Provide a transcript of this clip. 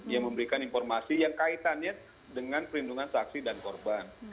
yang memberikan informasi yang kaitannya dengan perlindungan saksi dan korban